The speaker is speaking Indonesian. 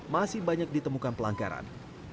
masih banyak ditemukan pelanggaran